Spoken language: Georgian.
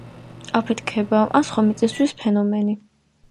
აფეთქება, ან სხვა მიწისძვრის ფენომენი.